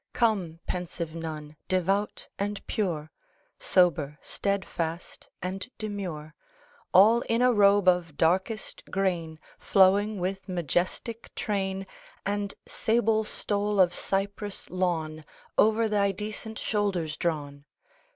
Come, pensive Nun, devout and pure, Sober, steadfast, and demure, All in a robe of darkest grain, Flowing with majestic train, And sable stole of cypress lawn Over thy decent shoulders drawn.